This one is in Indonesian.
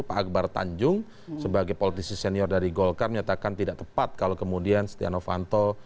pak akbar tanjung sebagai politisi senior dari golkar menyatakan tidak tepat kalau kemudian setia novanto